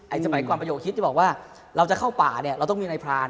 สมัยก่อนประโยคฮิตที่บอกว่าเราจะเข้าป่าเนี่ยเราต้องมีนายพราน